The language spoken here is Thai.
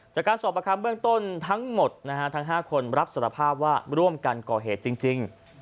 จากการสอบประคัมเบื้องต้นทั้งหมดทั้ง๕คนรับสารภาพว่าร่วมกันก่อเหตุจริง